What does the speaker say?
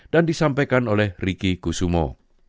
dan disampaikan oleh ricky kusumo